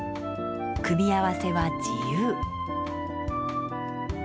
組み合わせは自由。